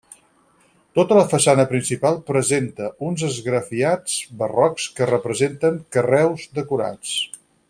Tota la façana principal presenta uns esgrafiats barrocs que representen carreus decorats.